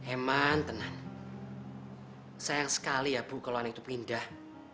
emang tenang sayang sekali ya bu kalau anak itu pindah